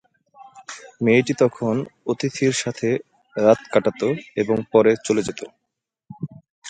মেয়েটি তখন অতিথির সাথে রাত কাটাত এবং পরে চলে যেত।